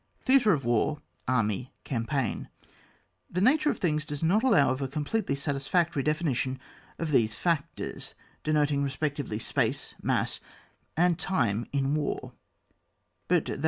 THEATRE OF WAR, ARMY, CAMPAIGN. Tbe nature of the things does not allow of a completely satisfactory definition of these three factors, denoting respectively, space, mass, and time in war ; but that yoL.